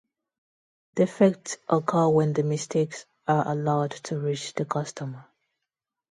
Defects occur when the mistakes are allowed to reach the customer.